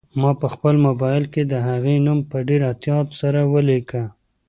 ما په خپل موبایل کې د هغې نوم په ډېر احتیاط سره ولیکه.